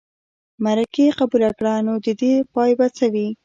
مرکې قبوله کړه نو د دې پای به څه وي.